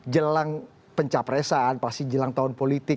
jelang pencapresan pasti jelang tahun politik